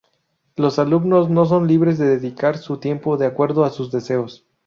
Los alumnos son libres de dedicar su tiempo de acuerdo con sus deseos.